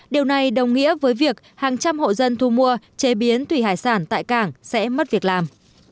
điều này đồng nghĩa với việc hàng trăm hộ dân thu mua chế biến thủy hải sản tại cảng sẽ mất việc làm